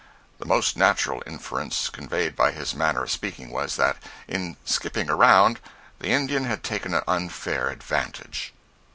The most natural inference conveyed by his manner of speaking was, that in "skipping around," the Indian had taken an unfair advantage.